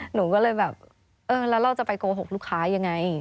หนูก็เลยแบบเออแล้วเราจะไปโกหกลูกค้ายังไง